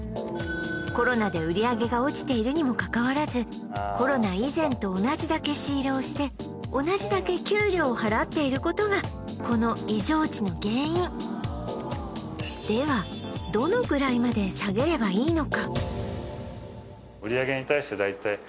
コロナで売上が落ちているにもかかわらずコロナ以前と同じだけ仕入れをして同じだけ給料を払っていることがこの異常値の原因ではどのくらいまで下げればいいのか？